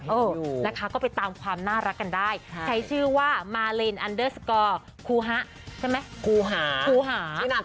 โอ้นะคะก็ไปตามความน่ารักกันได้ใช้ชื่อว่ามารินคูฮะใช่ไหม